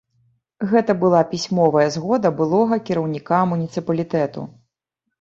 Гэта была пісьмовая згода былога кіраўніка муніцыпалітэту.